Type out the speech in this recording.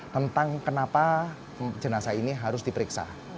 tentang kenapa jenazah ini harus diperiksa